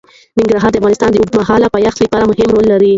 ننګرهار د افغانستان د اوږدمهاله پایښت لپاره مهم رول لري.